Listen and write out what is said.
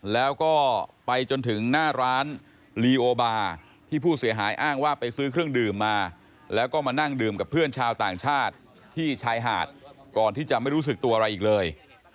แล้วก็ไปจนถึงหน้าร้านลีโอบาร์ที่ผู้เสียหายอ้างว่าไปซื้อเครื่องดื่มมาแล้วก็มานั่งดื่มกับเพื่อนชาวต่างชาติที่ชายหาดก่อนที่จะไม่รู้สึกตัวอะไรอีกเลย